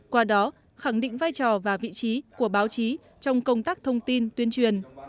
qua đó khẳng định vai trò và vị trí của báo chí trong công tác thông tin tuyên truyền